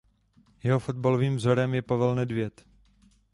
Jeho fotbalovým vzorem je Pavel Nedvěd.